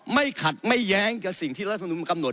ไม่ขัดไม่แย้งกับสิ่งที่รัฐมนุมกำหนด